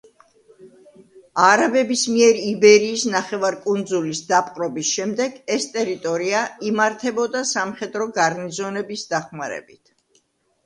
არაბების მიერ იბერიის ნახევარკუნძულის დაპყრობის შემდეგ ეს ტერიტორია იმართებოდა სამხედრო გარნიზონების დახმარებით.